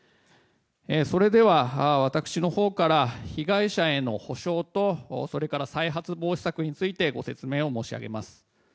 それでは私のほうから被害者への補償とそれから再発防止策についてご説明を申し上げます。